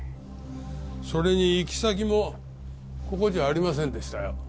それに行き先もここじゃありませんでしたよ。